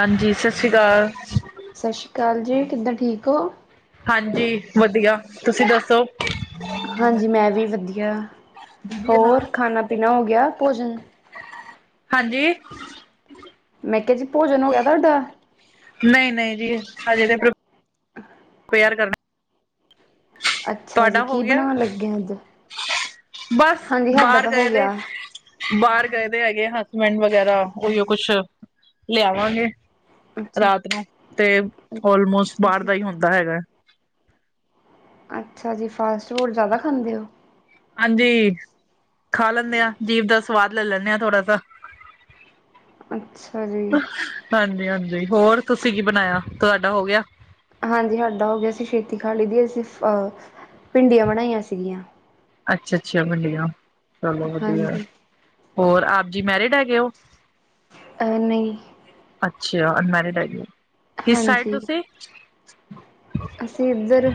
ਹਾਂਜੀ ਸਤਿ ਸ਼੍ਰੀ ਅਕਾਲ। ਸਤਿ ਸ੍ਰੀ ਅਕਾਲ ਜੀ ਕਿੱਦਾਂ ਠੀਕ ਹੋ? ਹਾਂਜੀ ਵਧੀਆ ਤੁਸੀਂ ਦੱਸੋ? ਹਾਂਜੀ ਮੈਂ ਵੀ ਵਧੀਆ, ਹੋਰ ਖਾਣਾ ਪੀਣਾ ਹੋ ਗਿਆ ਭੋਜਨ ਹਾਂਜੀ। ਮੈਂ ਕਿਹਾ ਜੀ ਭੋਜਨ ਹੋ ਗਿਆ ਤੁਹਾਡਾ ਨਹੀਂ -ਨਹੀਂ ਜੀ ਹਜੇ ਤਾਂ ਅ ਤਿਆਰ ਕਰਨਾ ਅੱਛਾ ਜੀ ਤੁਹਾਡਾ ਹੋ ਕੀ ਗਿਆ ਬਣਾਉਣ ਲੱਗੇ ਅੱਜ ਬਸ ਹਾਂਜੀ ਸਾਡਾ ਬਾਹਰ ਤਾਂ ਹੋ ਗਏ ਤੇ ਗਿਆ। ਬਾਹਰ ਗਏ ਦੇ ਹੈਗੇ ਹਸਬੈਂਡ ਵਗੈਰਾ ਉਹੀਓ ਕੁਛ ਲਿਆਵਾਂਗੇ ਅੱਛਾ ਰਾਤ ਨੂੰ, ਤੇ ਔਲਮੋਸਟ ਬਾਹਰ ਦਾ ਹੀ ਹੁੰਦਾ ਹੈਗਾ। ਅੱਛਾ ਜੀ, ਫਾਸਟ ਫੂਡ ਜ਼ਿਆਦਾ ਖਾਂਦੇ ਹੋ। ਹਾਂਜੀ, ਖਾ ਲੈਂਦੇ ਆ ਜੀਭ ਦਾ ਸਵਾਦ ਲੈ ਲੈਂਦੇ ਹਾਂ ਥੋੜਾ ਸ ਅੱਛਾ ਜੀ। ਹਾਂਜੀ- ਹਾਂਜੀ, ਹੋਰ ਤੁਸੀਂ ਕੀ ਬਣਾਇਆ ਤੁਹਾਡਾ ਹੋ ਗਿਆ! ਹਾਂਜੀ ਸਾਡਾ ਹੋ ਗਿਆ ਅਸੀਂ ਛੇਤੀ ਖਾ ਲਈ ਦੀ ਅਸੀਂ ਅਹ ਭਿੰਡੀਆਂ ਬਣਾਈਆਂ ਸੀਗੀਆਂ! ਅੱਛਾ, ਅੱਛਾ ਭਿੰਡੀਆਂ, ਚਲੋ ਵਧੀਆ, ਹਾਂਜੀ ਹੋਰ ਆਪ ਜੀ ਮੈਰਿਡ ਹੈਗੇ ਉ ਅ ਨਹੀਂ। ਅੱਛਾ ਅਨਮੈਰਿਡ ਹੈਗੇ ਓ! ਕਿਸ ਸਾਈਡ ਹਾਂਜੀ। ਤੁਸੀਂ? ਅਸੀਂ ਇੱਧਰ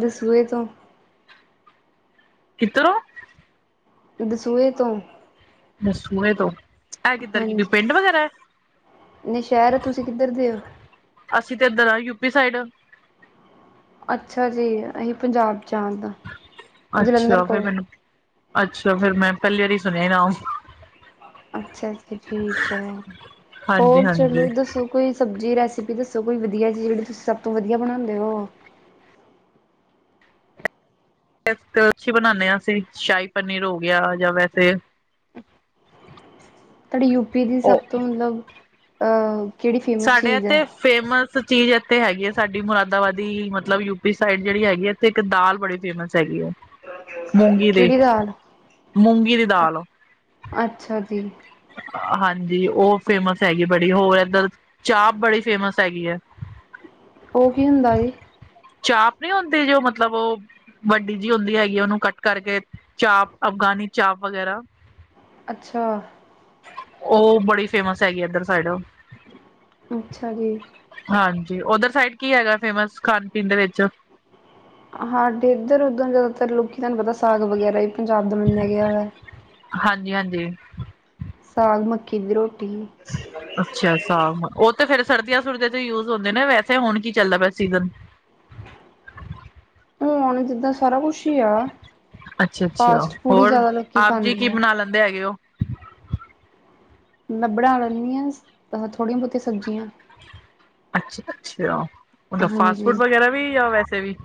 ਦਸੂਏ ਤੋਂ! ਕਿਧਰੋਂ! ਦਸੂਹੇ ਤੋਂ ਦਸੂਹੇ ਤੋਂ, ਇਹ ਕਿੱਧਰ ਕੀ ਪਿੰਡ ਵਗੈਰਾ ਹੈ ਨਹੀਂ ਸ਼ਹਿਰ ਤੁਸੀਂ ਕਿੱਧਰ ਦੇ ਹੋ ਅਸੀਂ ਤੇ ਇੱਧਰ ਹਾਂ ਯੂਪੀ ਸਾਈਡ ਅੱਛਾ ਜੀ, ਅਸੀਂ ਪੰਜਾਬ ਚ ਹਾਂ ਇਧਰ ਅੱਛਾ ਫਿਰ ਮੈਨੂੰ, ਅੱਛਾ ਫਿਰ ਮੈਂ ਪਹਿਲੀ ਵਾਰੀ ਸੁਣਿਆ ਨਾਂਮ ਅੱਛਾ ਠੀਕ ਹੈ ਹਾਂਜੀ ਹੋਰ ਚਲੋ ਹਾਂਜੀ। ਦੱਸੋ ਦੱਸੋ ਕੋਈ ਸਬਜ਼ੀ ਰੈਸਪੀ ਦੱਸੋ ਕੋਈ ਵਧੀਆ ਚੀਜ਼ ਜਿਹੜੀ ਤੁਸੀਂ ਸਭ ਤੋਂ ਵਧੀਆ ਬਣਾਉਂਦੇ ਹੋ ਅੱਛੀ ਬਣਾਉਂਦੇ ਹਾਂ ਅਸੀਂ ਸ਼ਾਹੀ ਪਨੀਰ ਹੋ ਗਿਆ ਜਾਂ ਵੈਸੇ ਤੁਹਾਡੀੇ ਯੂਪੀ ਦੀ ਸਭ ਉਹ ਤੋਂ ਮੱਤਲਬ ਅਹ ਸਾਡੇ ਇਥੇ ਫੇਮਸ ਚੀਜ਼ ਇੱਥੇ ਹੈਗੀ ਹੈ, ਸਾਡੀ ਮੁਰਾਦਾਬਾਦੀ ਮੱਤਲਬ ਯੂਪੀ ਸਾਈਡ ਜਿਹੜੀ ਹੈਗੀ ਹੈ। ਤੇ ਇੱਕ ਦਾਲ, ਬੜੀ ਫੇਮਸ ਹੈਗੀ ਆ। ਮੂੰਗੀ ਦੀ, ਕਿਹੜੀ ਦਾਲ? ਮੂੰਗੀ ਦੀ ਦਾਲ। ਅੱਛਾ ਜੀ। ਹਾਂਜੀ, ਉਹ ਫੇਮਂਸ ਹੈਗੀ ਬੜੀ। ਹੋਰ ਇੱਧਰ ਚਾਪ ਬੜੀ ਫੇਮਂਸ ਹੈਗੀ ਹੈ। ਉਹ ਕੀ ਹੁੰਦਾ ਹੈ ਜੀ। ਚਾਪ ਨਹੀਂ ਹੁੰਦੀ, ਜੋ ਮੱਤਲਬ ਉਹ। ਵੱਡੀ ਜਿਹੀ ਹੁੰਦੀ ਹੈਗੀ ਹੈ। ਉਹਨੂੰ ਕੱਟ ਕਰਕੇ ਚਾਪ ਅਫ਼ਗਾਨੀ ਚਾਪ ਵਗੈਰਾ। ਅੱਛਾ। ਉਹ ਬੜੀ ਫੇਮਸ ਹੈਗੀ ਏ ਇੱਧਰ ਸਾਈਡ। ਅੱਛਾ ਜੀ। ਹਾਂਜੀ, ਉਧਰ ਸਾਈਡ ਕੀ ਹੈਗਾ ਫੇਮਂਸ, ਖਾਣ- ਪੀਣ ਦੇ ਵਿੱਚ। ਹਾਂਡੇ ਇੱਧਰ ਉੱਧਰ ਜ਼ਿਆਦਾਤਰ, ਲੋਕੀ ਤੁਹਾਨੂੰ ਪਤਾ ਸਾਗ ਵਗੈਰਾ ਵੀ ਪੰਜਾਬ ਦਾ ਮੰਨਿਆ ਗਿਆ ਹੈ। ਹਾਂਜੀ- ਹਾਂਜੀ। ਸਾਗ ਮੱਕੀ ਦੀ ਰੋਟੀ ਹੀ। ਅੱਛਾ, ਉਹ ਤੇ ਫੇਰ ਸਰਦੀਆਂ- ਸੁਰਦੀਆਂ ਤੇ ਯੂਜ ਹੁੰਦੇ ਨੇ। ਵੈਸੇ ਹੁਣ ਕੀ ਚੱਲਦਾ ਪਿਆ ਸੀਜ਼ਨ। ਹੁਣ ਜਿੱਦਾਂ, ਸਾਰਾ ਕੁੱਛ ਹੀ ਆ। ਅੱਛਾ- ਅੱਛਾ। ਫਾਸਟ ਫੂਡ ਹੀ ਹੋਰ ਜ਼ਿਆਦਾ ਲੋਕੀ ਆਪ ਜੀ ਖਾਂਦੇ ਕੀ ਆ। ਬਣਾ ਲੈਂਦੇ ਹੈਗੇ ਹੋ? ਮੈਂ ਬਣਾ ਲੈਂਦੀ ਹਾਂ ਥੋੜੀਆਂ ਬਹੁਤੀਆਂ ਸਬਜ਼ੀਆਂ। ਅੱਛਾ- ਅੱਛਾ। ਮੱਤਲਬ ਫਾਸਟ ਫੂਡ ਹਾਂਜੀ। ਵਗੈਰਾ ਵੀ ਜਾਂ ਵੈਸੇ ਵੀ।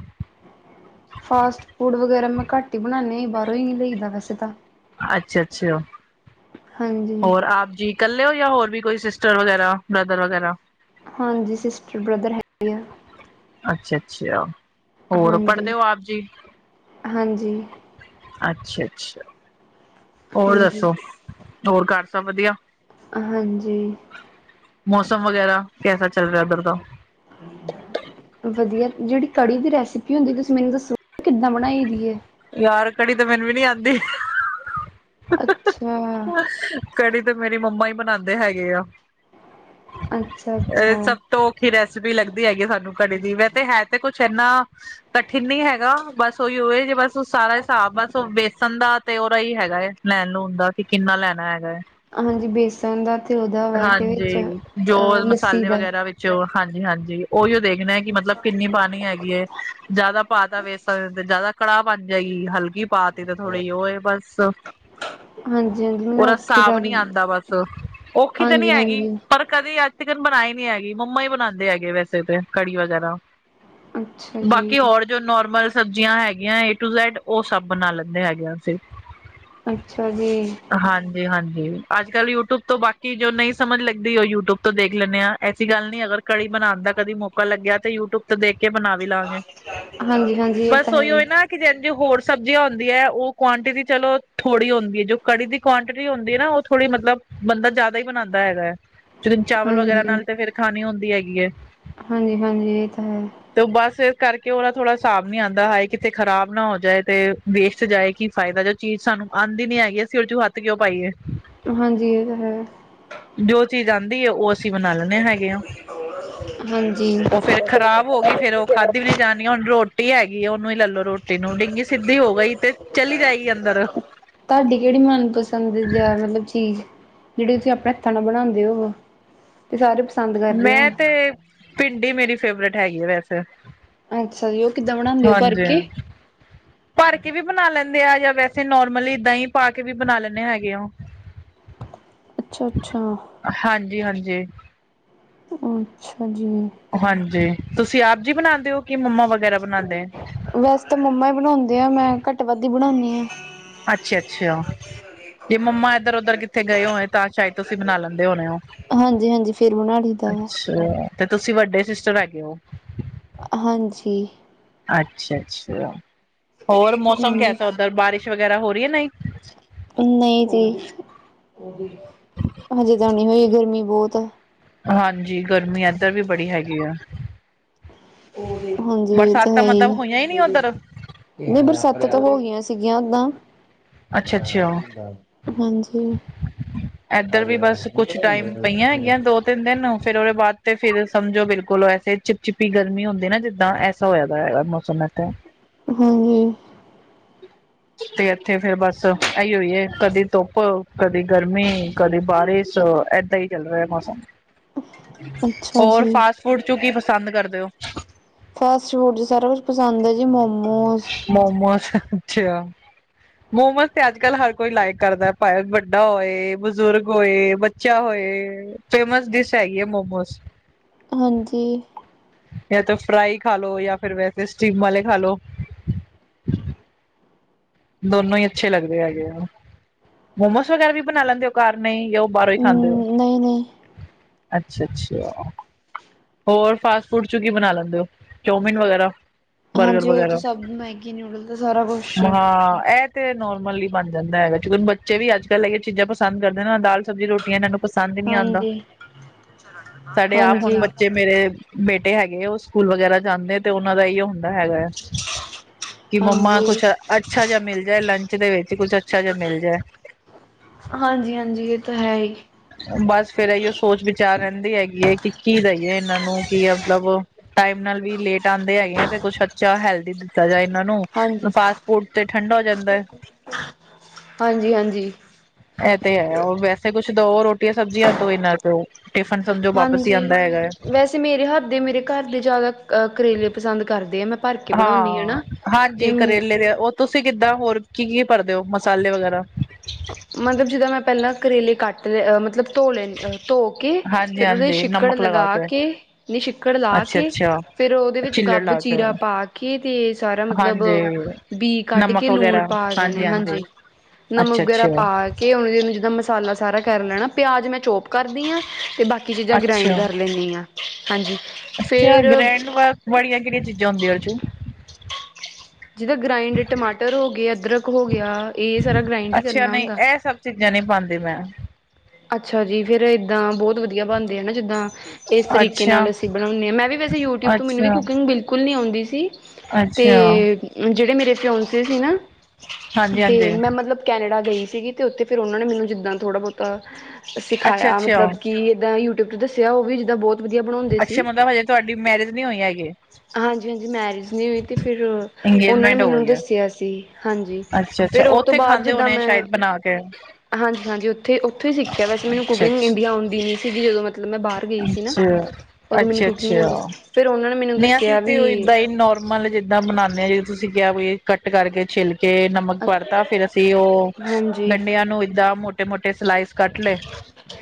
ਫਾਸਟ ਫੂੱਡ ਵਗੈਰਾ ਮੈਂ ਘੱਟ ਹੀ, ਬਣਾਉਂਦੀ ਬਾਹਰੋਂ ਹੀ ਲਈਦਾ ਵੈਸੇ ਤਾਂ। ਅੱਛਾ- ਅੱਛਾ। ਹਾਂਜੀ। ਹੋਰ ਆਪ ਜੀ। ਇੱਕਲੇ ਹੋ ਜਾਂ, ਹੋਰ ਵੀ ਕੋਈ ਸਿਸਟਰ ਵਗੈਰਾ ਬ੍ਰਦਰ ਵਗੈਰਾ। ਹਾਂਜੀ, ਸਿਸਟਰ, ਬ੍ਰਦਰ ਹੈ। ਅੱਛਾ- ਅੱਛਾ, ਹੋਰ ਹਾਂਜੀ ਪੜਦੇ ਹੋ ਆਪ ਜੀ? ਹਾਂਜੀ। ਅੱਛਾ- ਅੱਛਾ। ਹੋਰ ਹਾਂਜੀ ਦੱਸੋ? ਹੋਰ ਘਰ ਸੱਭ ਵਧੀਆ? ਹਾਂਜੀ। ਮੌਸਮ ਵਗੈਰਾ ਕੈਸਾ ਚੱਲ ਰਿਹਾ ਉੱਧਰ ਦਾ। ਵਧੀਆ। ਜਿਹੜੀ ਕੜੀ ਦੀ ਰੈਸਪੀ ਹੁੰਦੀ, ਤੁਸੀਂ ਮੈਨੂੰ ਦੱਸੋ ਕਿੱਦਾਂ ਬਣਾਈ ਦੀ ਹੈ। ਯਾਰ, ਕੜੀ ਤੇ ਮੈਨੂੰ ਵੀ ਨਹੀਂ ਆਉਂਦੀ। ਅੱਛਾ। ਕੜੀ ਤੇ ਮੇਰੀ ਮੰਮਾ ਹੀ ਬਣਾਉਂਦੇ ਹੈਗੇ ਆ। ਅੱਛਾ ਇਹ ਅੱਛਾ। ਸਬ ਔਖੀ ਰੈਸਪੀ ਲੱਗਦੀ ਹੈਗੀ ਸਾਨੂੰ ਕੜੀ ਦੀ। ਵੈਸੇ ਹੈ ਤੇ ਕੁੱਛ ਇੰਨਾ ਕਠਿਨ ਨੀ ਹੈਗਾ। ਥੋੜੀ ਉਹੀ ਬੱਸ ਸਾਰਾ ਹਿਸਾਬ, ਬੱਸ ਉਹ ਬੇਸਣ ਦਾ ਤੇ ਉਹਦਾ ਹੀ ਹੈਗਾ। ਲੈਣ ਲੂਣ ਦਾ ਕਿ ਕਿੰਨਾ ਲੈਣਾ ਹੈਗਾ ਹੈ। ਹਾਂਜੀ, ਬੇਸਣ ਦਾ ਤੇ ਉਹਦਾ ਵੇ ਵਿੱਚ ਲੱਸੀ ਦਾ। ਚ ਹਾਂਜੀ- ਹਾਂਜੀ, ਉਹੀ ਦੇਖ। ਣਿਨਾ ਹੈ ਕੀ ਮੱਤਲਬ ਕਿੰਨੀ ਪਾਣੀ ਹੈਗੀ ਏ। ਜ਼ਿਆਦਾ ਪਾ ਤਾ ਵੇਸਣ ਤੇ ਜ਼ਿਆਦਾ। ਕੜਾਹ ਬਣ ਜਾਏਗੀ। ਹਲਕੀ ਪਾਤੀ ਤਾਂ ਥੋੜੀ ਉਹ ਹੈ ਬਸ, ਹਾਂਜੀ ਹਾਂਜੀ ਮੈਨੂੰ ਉਹਦਾ ਔਖੀ ਹਿਸਾਬ ਨੀ ਲੱਗਦੀ ਆਉਂਦਾ ਬਸ। ਕਿਤੇ ਹਾਂਜੀ ਨਹੀਂ ਹੈਗੀ। ਹਾਂਜੀ ਪਰ ਕਦੇ ਅੱਜ ਤੱਕ ਬਣਾਈ ਨੀ ਹੈਗੀ। ਮੰਮਾ ਹੀ ਬਣਾਉਂਦੇ ਹੈਗੇਂ ਵੈਸੇ ਤੇ ਕੜੀ ਵਗੈਰਾ। ਅੱਛਾ ਜੀ ਬਾਕੀ ਹੋਰ? ਜੋ ਨੋਰਮਲ ਸਬਜ਼ੀਆਂ ਹੈਗੀਆਂ ਏ ਟੂ ਜੈਡ ਉਹ, ਸਭ ਬਣਾਂ ਲੈਂਦੇ ਹੈਗੇ ਅਸੀਂ। ਅੱਛਾ ਜੀ। ਹਾਂਜੀ- ਹਾਂਜੀ, ਅੱਜ ਕੱਲ ਯੂਟਿਊਬ ਤੋਂ ਬਾਕੀ। ਕਿ ਜੋ ਨਹੀਂ ਸਮਝ ਲੱਗਦੀ ਉਹ, ਯੂਟਿਊਬ ਤੋਂ ਦੇਖ ਲੈਂਦੇ ਹਾਂ। ਐਸੀ ਗੱਲ ਨੀ ਅਗਰ ਕੜੀ ਬਣਾਉਣ ਦਾ ਕਦੀਂ ਮੌਕਾ ਲੱਗਿਆ ਤੇ, ਯੂਟਿਊਬ ਦੇਖ ਕੇ ਬਣਾ ਵੀ ਲਾਂਵਾਗੇ, ਹਾਂਜੀ ਹਾਂਜੀ ਇਹ ਤਾਂ ਬਸ ਹੈ ਓਹੀ ਹੀ। ਉਹੀ ਨਾਂ। ਕਿ ਜੋ ਹੋਰ ਸਬਜ਼ੀਆਂ ਹੁੰਦੀਆਂ ਉਹ ਕੁਆਂਟਿਟੀ ਚਲੋ ਥੋੜੀ ਹੁੰਦੀ ਹੈ। ਜੋ ਕੜੀ ਦੀ ਕੁਆਂਟਿਟੀ ਹੁੰਦੀ ਹੈ ਨਾਂ ਥੋੜੀ ਮਤਲਬ ਬੰਦਾ ਜ਼ਿਆਦਾ ਹੀ ਬਣਾਉਂਦਾ ਹੈਗਾ ਹੈ। ਫਿਰ ਚਾਵਲ ਵਗੈਰਾ ਹਾਂਜੀ ਨਾਲ ਤੇ ਫ਼ਿਰ ਖਾਨੀ ਹੁੰਦੀਂ ਹੈਗੀ ਐ। ਹਾਂਜੀ ਹਾਂਜੀ ਇਹ ਤਾਂ ਹੈ ਤੋ ਬਸ ਇਸ ਕਰਕੇ ਉਹਦਾ ਥੋੜ੍ਹਾ ਹਿਸਾਬ ਨੀ ਆਂਦਾ ਹਾਏ ਕਿੱਤੇ ਖ਼ਰਾਬ ਨਾ ਹੋ ਜਾਏ ਤੇ ਵੇਸਟ ਜਾਏਂ ਕੀ ਫ਼ਾਇਦਾ ਚੀਜ਼ ਸਾਨੂੰ ਆਂਦੀ ਨੀ ਹੈਗੀ, ਅਸੀਂ ਉਦੋਂ ਚ ਹੱਥ ਕਿਉਂ ਪਾਈਏ। ਹਾਂਜੀ ਏ ਤੇ ਹੈ। ਜੋ ਚੀਜ਼ ਆਂਦੀ ਐ, ਉਹ ਅਸੀਂ ਬਨਾਂ ਲੈਂਨੇ ਹੈਗੇ ਆਂ, ਹਾਂਜੀ ਉਹ ਫ਼ਿਰ ਖ਼ਰਾਬ ਹੋ ਗੀ ਫ਼ੇਰ ਉਹ ਖਾਧੀ ਵੀ ਨੀ ਜਾਨੀ ਹੁਣ ਰੋ ਰੋਟੀ ਹੈਗੀ ਉਹਨੂੰ ਹੀ ਲੈਲੋ ਰੋਟੀ ਨੂੰ, ਡਿੰਗੀ ਸਿੱਧੀ ਹੋ ਗਈ ਤੇ ਚਲੀ ਜਾਏਂਗੀ ਅੰਦਰ। ਜਿਹੜੀ ਮਨਪਸੰਦ [unintelligible] ਮਤਲਬ ਚੀਜ਼ ਜਿਹੜੇ ਤੁਸੀਂ ਆਪਣੇ ਹੱਥਾਂ ਨਾਲ ਬਣਾਂਦੇ ਹੋਵੋ। ਤੇ ਸਾਰੇ ਪਸੰਦ ਮੈਂ ਤੇ ਭਿੰਡੀ ਮੇਰੀ ਫੇਵਰੇਟ ਹੈਗੀ ਐ ਵੈਸੇ। ਅੱਛਾ ਜੀ, ਉਹ ਕਿੱਦਾਂ ਬਣਾਂਦੇ ਹੋ ਭਰ ਹਾਂਜੀ। ਕੇ? ਭਰ ਕੇ ਵੀ ਬਨਾ ਲੈਂਦੇ ਆ ਜਾਂ ਵੈਸੇ ਨੋਰਮਲੀ ਦਹੀਂ ਪਾ ਕੇ ਵੀ ਬਨਾ ਲੈਂਨੇ ਹੈਗੇ ਆਂ। ਅੱਛਾ-ਅੱਛਾ। ਹਾਂਜੀ-ਹਾਂਜੀ। ਅੱਛਾ ਜੀ। ਹਾਂਜੀ, ਤੁਸੀਂ ਆਪ ਜੀ ਬਨਾਂਦੇ ਹੋ ਕਿ ਮੰਮਾ ਵਗੈਰਾ ਬਨਾਂਦੇ? ਵੈਸੇ ਤਾਂ ਮੰਮਾ ਈ ਬਨਾਂਦੇ ਐ, ਮੈਂ ਘੱਟ ਵੱਧ ਹੀ ਬਣਾਨੀ। ਅੱਛਾ-ਅੱਛਾ। ਜੇ ਮੰਮਾ ਏਧਰ ਉੱਧਰ ਕਿੱਥੇ ਗਏ ਹੋਏ ਤਾਂ ਸ਼ਾਇਦ ਤੁਸੀਂ ਬਨਾ ਲੈਂਦੇ ਹੋਣੇ ਹੋ। ਹਾਂਜੀ-ਹਾਂਜੀ, ਫ਼ੇਰ ਬਣਾਂ ਲਈ ਦਾ ਵਾ। ਹੂੰ ਤੇ ਤੁਸੀਂ ਵੱਡੇ ਸਿਸਟਰ ਹੈਗੇ ਓ? ਹਾਂਜੀ। ਅੱਛਾ-ਅੱਛਾ, ਹੋਰ ਮੌਸਮ ਹਾਂਜੀ ਕੈਸਾ ਉੱਧਰ ਬਾਰਿਸ਼ ਵਗੈਰਾ ਹੋ ਰੀ ਹੈ ਨੀ? ਨਈ ਜੀ, ਹਜੇ ਤਾਂ ਨੀ ਹੋਈ ਗਰਮੀ ਬੋਤ ਐ। ਹਾਂਜੀ ਗਰਮੀ ਏਧਰ ਵੀ ਬੜੀ ਹੈਗੀ ਐ। ਹਾਂਜੀ, ਐ ਤੇ ਬਰਸਾਤਾਂ ਮਤਲਬ ਹੈਈ ਹੋਈਆਂ ਹੀ ਨੀ ਐ। ਉੱਧਰ ਨਹੀਂ ਬਰਸਾਤਾਂ ਤਾਂ ਹੋ ਗਈਆਂ ਸੀਗੀਆਂ ਓਦਾਂ ਅੱਛਾ ਅੱਛਾ ਹਾਂਜੀ। ਏਧਰ ਵੀ ਬਸ ਕੁੱਛ ਟਾਈਮ ਪਈਆਂ ਹੈਗੀਆਂ ਦੋ ਤਿੰਨ ਦਿਨ ਫਿਰ ਉਹਦੇ ਬਾਦ ਤੇ ਫ਼ਿਰ ਸਮਝੋ ਬਿਲਕੁਲ ਐਸੇ ਚਿਪ ਚਿਪੀ ਗਰਮੀ ਹੁੰਦੀਂ ਨਾ ਜਿੱਦਾਂ ਹੋਇਆਂ ਦਾ ਹੈ ਮੌਸਮ [unintelligible] ਹਾਂਜੀ। ਤੇ ਤੇ ਬਸ ਏਈਓ ਈ ਏ, ਕਦੀਂ ਧੁੱਪ, ਕਦੀਂ ਗਰਮੀ, ਕਦੀਂ ਬਾਰਿਸ਼, ਅ ਏਦਾਂ ਈ ਚੱਲ ਰਯਾ ਮੌਸਮ। [inaudible] ਅੱਛਾ ਹੋਰ ਜੀ ਫਾਸਟ ਫੂਡ ਚੋਂ ਕੀ ਪਸੰਦ ਕਰਦੇਂ ਓ? ਫਾਸਟ ਫੂਡ ਚ ਸਾਰਾ ਕੁਛ ਪਸੰਦ ਹੈ ਜੀ ਮੋਮੋਸ ਮੋਮੋਜ਼ ਅੱਛਾ। ਮੋਮੋਜ਼ ਤੇ ਅੱਜ ਕੱਲ ਹਰ ਕੋਈ ਲਾਇਕ ਕਰਦਾ, ਭਾਵੇਂ ਵੱਡਾ ਹੋਏ, ਬਜ਼ੁਰਗ ਹੋਏ। ਬੱਚਾ ਹੋਏ, ਫੇਮਸ ਡਿਸ਼ ਹੈਗੀ ਐ ਮੋਮੋਜ਼। ਹਾਂਜੀ। ਯਾ ਤੇ ਫਰਾਾਈ ਖਾ ਲੋ, ਯਾ ਫਿਰ ਵੈਸੇ ਸਟੀਮ ਵਾਲੇ ਖਾ ਲੋ। ਦੋਨੋਂ ਹੀ ਅੱਛੇ ਲੱਗਦੇ ਹੈਗੇ ਐ, ਮੋਮੋਜ਼ ਵਗੈਰਾ ਵੀ ਬਨਾਂ ਲੈਂਦੇ ਹੋ ਘਰ ਨਈ? ਫੇਰ ਓ ਬਾਹਰੋਂ ਹੀ ਖਾਂਦੇ ਐ, ਨਹੀਂ ਨਹੀਂ ਅੱਛਾ-ਅੱਛਾ। ਹੋਰ ਫਾਸਟ ਫੂਡ ਚ, ਕੀ ਬਣਾ ਲੈਂਦੇ ਹੋ ਚੌਮਿਨ, ਵਗੈਰਾ? ਬਰਗਰ, ਹਾਂਜੀ ਉਹ ਤਾਂ ਵਗੈਰਾ ਸਭ ਮੈਗੀ ਨੂਡਲ ਦਾ ਸਾਰਾ ਕੁਛ ਹਾਂ ਤੇ ਨੋਰਮਲੀ ਬਣ ਜਾਂਦਾ ਹੈਗਾ, ਕੀ ਬੱਚੇ ਵੀ ਅੱਜ ਕੱਲ ਇਹੀ ਚੀਜ਼ਾਂ ਪਸੰਦ ਕਰਦੇ, ਨਾਲ ਦਾਲ ਸਬਜ਼ੀ ਰੋਟੀ ਇਹਨਾਂ ਨੂੰ ਪਸੰਦ ਹੀ ਨਹੀ ਆਉਂਦਾ, ਹਾਂਜੀ ਸਾਡੇ ਆਪ ਹਾਂਜੀ ਹੁਣ ਮੇਰੇ ਬੇਟੇ ਹੈਗੇ, ਉਹ ਸਕੂਲ ਵਗੈਰਾ ਜਾਂਦੇ, ਤੇ ਉਹਨਾਂ ਦਾ ਹੁੰਦਾ ਹੈਗਾ ਕਿ ਮੰਮਾ ਹਾਂਜੀ ਕੁਛ ਅੱਛਾ ਜਿਹਾ, ਮਿਲ ਜਾਏ ਲੰਚ ਦੇ ਵਿੱਚ, ਕੁਛ ਅੱਛਾ ਜਿਹਾ ਮਿਲ ਜਾਏ ਹਾਂਜੀ-ਹਾਂਜੀ, ਇਹ ਤਾਂ ਹੈ ਈ। ਬਸ ਫੇਰ ਏਈਓ ਸੋਚ ਵਿਚਾਰ ਰਹਿੰਦੀ ਹੈਗੀ ਏ ਕਿ ਕੀ ਦਈਏ ਇਹਨਾਂ ਨੂੰ ਕੀ ਮਤਲਬ ਟਾਈਮ ਨਾਲ ਵੀ ਲੇਟ ਆਂਦੇ ਹੈਗੇ ਐ ਤੇ ਕੁੱਛ ਅੱਛਾ ਹੈਲਦੀ ਤਾਜਾ ਇਹਨਾਂ ਨੂੰ, ਹਾਂਜੀ ਫਾਸਟ ਫੂਡ ਤੇ ਠੰਡਾ ਹੋ ਜਾਂਦਾ ਏ ਹਾਂਜੀ- ਹਾਂਜੀ। ਇਹ ਤੇ ਹੈ, ਉਹ ਵੈਸੇ ਕੁਛ ਦੋ ਰੋਟੀ ਰੋਟੀਆ ਸਬਜ਼ੀਆਂ ਤੋਂ, ਇੰਨਾ ਪਓ ਟਿਫਨ ਸਮਝੋ ਵਾਪਸ ਹੀ ਹਾਂਜੀ ਆਉਂਦਾ ਹੈਗਾ ਹੈ ਵੈਸੇ ਮੇਰੇ ਹੱਥ ਦੇ, ਮੇਰੇ ਘਰ ਦੇ ਜਿਆਦਾ ਅਹ ਕਰੇਲੇ ਪਸੰਦ, ਕਰਦੇ ਆ ਮੈਂ ਭਰ ਕੇ ਬਣਾਉਂਦੀ ਹਾਂ, ਨਾ ਤੇ ਹਾਂਜੀ ਕਰੇਲੇ ਦੇ ਤੁਸੀਂ ਕਿੱਦਾਂ ਹੋਰ ਕੀ ਕੀ ਭਰਦੇ ਹੋ, ਮਸਾਲੇ ਵਗੈਰਾ ਮਤਲਬ ਜਿੱਦਾਂ ਮੈਂ ਪਹਿਲਾਂ ਕਰੇਲੇ, ਕੱਟ ਲ ਮਤਲਬ ਧੋ ਲੈ ਧੋ ਕੇ ਹਾਂਜੀ ਹਾਂਜੀ ਨਮਕ ਲਗਾ ਕੇ ਛਿੱਕੜ ਲਾ ਅੱਛਾ ਕੇ ਅੱਛਾ ਫ਼ਿਰ ਉਹਦੇ ਵਿੱਚ ਚਿੱਲੜ ਗੱਬ ਲਾ ਕੇ ਚੀਰਾ ਪਾ ਕੇ ਤੇ ਸਾਰਾ ਮਤਲਬ ਹਾਂਜੀ ਬੀ ਕੱਢ ਕੇ ਲੂਣ ਪਾ ਦੇਣੇ ਹਾਂਜੀ, ਨਮਕ ਅੱਛਾ ਵਗੈਰਾ ਅੱਛਾ ਪਾ ਕੇ ਉਹ ਜਿੱਦਾਂ, ਮਸਾਲਾ ਸਾਰਾ ਕਰ ਲੈਣਾ, ਪਿਆਜ ਮੈਂ ਚੋਪ ਕਰਦੀ ਹਾਂ ਤੇ ਬਾਕੀ ਕਿਸੀ ਦਾ, ਗ੍ਰਾਇੰਡ ਅੱਛਾ ਕਰ ਲੈਂਣੀ ਆਂ ਹਾਂਜੀ। ਅੱਛਾ ਫੇਰ ਗ੍ਰੈਂਡ ਵਾਲੀਆਂ, ਕਿਹੜੀਆਂ ਚੀਜ਼ਾਂ ਹੁੰਦੀਆਂ ਓਦੇ ਚ [inaudible] ਜਿਦਾ ਗ੍ਰਾਇੰਡ, ਟਮਾਟਰ ਹੋ ਗਿਆ, ਅਦਰਕ ਹੋ ਗਿਆ, ਇਹ ਸਾਰਾ ਗ੍ਰਾਇੰਡ ਹੀ ਕਰਨਾ ਅੱਛਾ ਨਹੀਂ, ਹੁੰਦਾ ਇਹ ਸਭ ਚੀਜ਼ਾਂ ਨਹੀਂ ਪਾਉਂਦੀ ਮੈਂ ਅੱਛਾ ਜੀ, ਫੇਰ ਇਏਦਾਂ ਬਹੁਤ ਵਧੀਆ ਬਣਦੇ ਆ, ਨਾ ਜਿੱਦਾਂ ਇਸ ਤਰੀਕੇ ਅੱਛਾ ਨਾਲ ਅਸੀਂ ਬਣਾਣੇ ਹਾਂ, ਮੈਂ ਵੀ ਵੈਸੇ ਯੂਟਿਊਬ ਤੋਂ, ਮੈਨੂੰ ਵੀ ਅੱਛਾ ਕੁਕਿੰਗ ਬਿਲਕੁਲ ਨਈ, ਆਉਂਦੀ ਸੀ। ਤੇ ਅੱਛਾ ਜਿਹੜੇ ਮੇਰੇ ਪਿਓਸੇ, ਸੀ ਨਾ ਹਾਂਜੀ ਤੇ ਹਾਂਜੀ ਮੈਂ ਮਤਲਬ ਕੈਨੇਡਾ ਗਈ ਸੀਗੀ, ਅਤੇ ਉੱਥੇ ਫਿਰ ਉਹਨਾਂ ਨੇ ਮੈਨੂੰ ਜਿੱਦਾਂ ਥੋੜ੍ਹਾ -ਬਹੁਤਾ ਅੱਛਾ ਸਿਖਾਇਆ ਅੱਛਾ ਮਤਲਬ ਕਿ, ਇਏਦਾਂ ਯੂਟਿਊਬ ਚ ਦੱਸਿਆ ਹੋਵੇ ਜਿੱਦਾਂ ਬਹੁਤ ਵਧੀਆ ਬਣਾਉਂਦੇ ਅੱਛੇ ਸੀ। ਮਤਲਬ, ਹਜੇ ਤੁਹਾਡੀ ਮੈਰਿਜ? ਨਹੀਂ ਹੋਈ ਹੈਗੇ ਹਾਂਜੀ- ਹਾਂਜੀ ਮੈਰਿਜ ਨਹੀਂ ਹੋਈ ਅਤੇ ਫਿਰ, ਉਹਨਾਂ ਨੇ ਇੰਗੇਜਮੈਂਟ ਹੋ ਮੈਨੂੰ, ਗਈ ਹੈ ਦੱਸਿਆ ਸੀ। ਹਾਂਜੀ, ਅੱਛਾ ਅੱਛਾ ਫਿਰ ਉਹ ਤੋਂ ਉੱਥੇ ਬਾਅਦ ਖਾਂਦੇ ਜਿੱਦਾਂ ਹੋਣੇ ਮੈਂ ਸ਼ਾਇਦ ਬਣਾ ਕੇ ਹਾਂਜੀ- ਹਾਂਜੀ ਉੱਥੇ- ਉੱਥੋਂ ਹੀ ਸਿੱਖਿਆ ਵੈਸੇ ਮੈਨੂੰ ਅੱਛਾ ਕੁਕਿੰਗ ਅੱਛਾ ਇੰਡੀਆ ਆਉਂਦੀ ਨਹੀਂ ਸੀਗੀ, ਜਦੋਂ ਮੈਂ ਮਤਲਬ ਮੈਂ ਬਾਹਰ ਗਈ ਸੀ ਨਾ, ਅੱਛਾ ਉਦੋਂ ਮੈਨੂੰ ਅੱਛਾ ਕੁਕਿੰਗ ਨਈ ਆਉਂਦੀ ਅੱਛਾ ਸੀ, ਫਿਰ ਉਹਨਾਂ ਨੇ ਮੈਨੂੰ ਨਹੀਂ, ਅਸੀਂ ਦੱਸਿਆ ਤੇ ਵੀ ਹੀ ਨੋਰਮਲ ਜਿੱਦਾਂ ਬਨਾਣੇ, ਤੁਸੀਂ ਕਿਹਾ, ਵੀ ਕੱਟ ਕਰਕੇ ਛਿਲ਼ ਕੇ ਨਮਕ ਪੜਤਾ ਫ਼ਿਰ ਅਸੀਂ ਉਹ ਹਾਂਜੀ। ਗੰਡਿਆਂ ਨੂੰ ਏਦਾਂ, ਮੋਟੇ -ਮੋਟੇ ਸਲਾਈਸ ਕੱਟ ਲਏ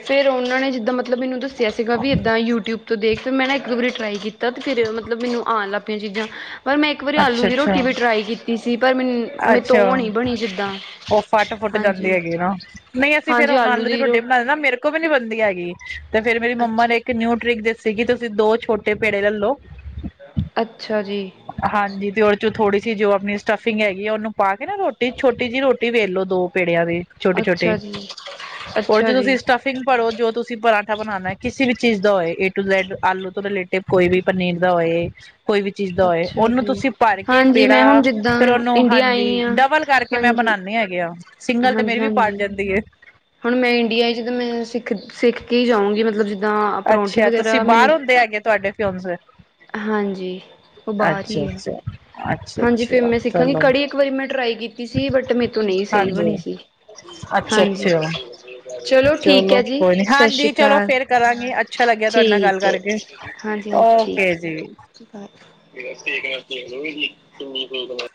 ਫੇਿਰ ਉਹਨਾਂ ਨੇ, ਜਿੱਦਾਂ ਮਤਲਬ ਮੈਨੂੰ ਦੱਸਿਆ ਸੀਗਾ ਵੀ, ਏਦਾਂ ਯੂਟਿਊਬ ਦੇਖ ਫਿਰ ਮੈਂ ਨਾ, ਇੱਕ ਦੋ ਵਾਰੀ ਟਰਾਈ ਕੀਤਾ ਤੇ, ਫਿਰ ਮਤਲਬ ਮੈਨੂੰ, ਆਉਣ ਲੱਗ ਪਈਆਂ ਚੀਜ਼ਾਂ ਪਰ ਮੈਂ ਇੱਕ ਵਾਰੀ, ਆਲੂ ਅੱਛਾ ਦੀ ਅੱਛਾ ਰੋਟੀ ਵੀ ਟਰਾਈ ਕੀਤੀ ਸੀ, ਪਰ ਮੈਨੂੰ ਮੇਰੇ ਤੋਂ ਅੱਛਾ, ਉਹ ਨਹੀਂ ਬਣੀ ਜਿੱਦਾਂ ਉਹ ਫੱਟ -ਫੁੱਟ ਜਾਂਦੀ ਹਾਂਜੀ ਹੈਗੀ ਨਾ ਨਹੀਂ ਅਸੀਂ ਫੇਰ ਹੁਣ ਆਲੂ ਦੀ ਰੋਟੀ ਬਣਾਣੇ ਨਾ, ਮੇਰੇ ਕੋਲ ਵੀ ਨੀ ਬਣਦੀ ਹੈਗੀ, ਤੇ ਫੇ ਮੇਰੀ ਮੰਮਾ ਅੱਛਾ ਨੇ ਇੱਕ ਨਿਊ ਟ੍ਰਿਕ ਕਹਿ ਸੀਗੀ, ਤੁਸੀਂ ਦੋ ਛੋਟੇ ਪੇੜੇ ਲਲੋ ਅੱਛਾ ਜੀ ਹਾਂਜੀ, ਤੇ ਉਹਦੇ ਚੋਂ ਥੋੜੀ ਜਿ ਜੋ ਆਪਣੀ ਸਟਫਿੰਗ ਹੈਗੀ ਆ, ਉਹਨੂੰ ਪਾ ਕੇ ਨਾ, ਰੋਟੀ ਛੋਟੀ ਜਿਹੀ ਰੋਟੀ ਤੇ ਵੇਲੋ ਲਉ ਦੌ ਪੇੜਿਆਂ ਦੇ, ਛੋਟੇ-ਛੋਟੇ ਅੱਛਾ ਜੀ ਉਹ ਅੱਛਾ ਚ ਜੀ ਤੁਸੀਂ ਸਟਫ ਫਿਰ ਭਰੋ ਜੋ ਤੁਸੀਂ ਪਰਰਾਠਾ ਬਣਾਣਾ, ਕਿਸੇ ਵੀ ਚੀਜ਼ ਦਾ ਹੋਏ, ਏ ਟੂ ਜੈਡ ਆਲੂ ਤੋਂ ਰਿਲੇਟ ਤੇ ਕੋਈ ਵੀ, ਪਨੀਰ ਦਾ ਹੋਏ ਕੋਈ ਵੀ, ਚੀਜ਼ ਦਾ ਹੋਏ, ਅੱਛਾ ਉਹਨੂੰ ਜੀ ਤੁਸੀਂ ਭਰ ਕੇ ਹਾਂਜੀ ਮੈਂ ਹੁਣ ਪੇੜਾ, ਜਿੱਦਾਂ ਫੇਿਰ ਉਹਨੂੰ ਇੰਡੀਆ ਹਾਂਜੀ ਆਈ ਹਾਂ ਡਬਲ ਕਰਕੇ ਮੈਂ ਹਾਂਜੀ ਬਣਾਉਦੇ ਹੈਗੇ ਆ ਉਹ, ਸਿੰਗਲ ਤੇ ਮੇਰੀ ਹਾਂਜੀ ਵੀ ਪੜ ਹਾਂਜੀ ਜਾਂਦੀ ਹੈ-। ਹੁਣ ਮੈਂ ਇੰਡੀਆ ਜਦੋ ਆਣੀ ਮੈਂ ਸਿੱਖ, ਸਿੱਖ ਕੇ ਜਾਊਂਗੀ ਮਤਲਬ ਜਿੱਦਾਂ ਪਰੌਂਠੇ ਵਗੈਰਾ ਮੈਨੂੰ ਕਿੱਥੇ ਹੈਗੇ ਤੁਹਾਡੇ ਫਿਉ ਹਾਂਜੀ, ਉਹ ਬਾਹਰ ਹੀ ਹੈ। ਅੱਛਾ ਅੱਛਾ ਹਾਂਜੀ, ਫੇਰ ਅੱਛਾ ਮੈਂ ਸਿੱਖਾਂਗੀ। ਚਲੋ ਕੜੀ ਇੱਕ ਵਾਰੀ ਮੈਂ ਟਰਾਈ ਕੀਤੀ ਸੀ ਬਟ ਮੇਰੇ ਤੋਂ ਨਹੀਂ ਸਹੀ ਬਣੀ ਹਾਂਜੀ ਸੀ। ਅੱਛਾ ਹਾਂਜੀ, ਅੱਛਾ ਚਲੋ ਠੀਕ ਹੈ ਜੀ, ਕੋਈ ਨੀ ਸਤਿ ਸ੍ਰੀ ਹਾਂਜੀ ਚਲੋ ਅਕਾਲ ਫੇਰ ਕਰਾਂਗੇ ਅੱਛਾ ਲੱਗਿਆ ਤੁਹਾਡੇ ਨਾਲ ਗੱਲ ਠੀਕ ਹੈ, ਕਰਕੇ ਹਾਂਜੀ- ਹਾਂਜੀ ਓਕੇ ਜੀ ਠੀਕ [unintelligible]